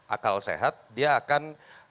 akal sehat dia akan